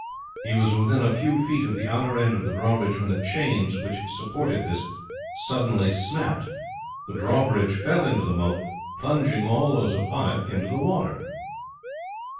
He was within a few feet of the outer end of the drawbridge when the chains which supported this suddenly snapped. The drawbridge fell into the moat, plunging all those upon it into the water.